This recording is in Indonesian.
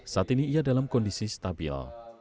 saat ini ia dalam kondisi stabil